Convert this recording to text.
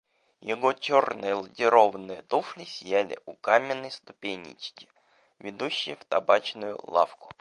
Его чёрные лакированные туфли сияли у каменной ступенечки, ведущей в табачную лавку.